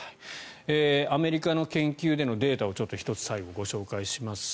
アメリカの研究でのデータを最後、ご紹介します。